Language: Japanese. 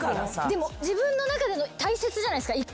でも自分の中での大切じゃないですか１個。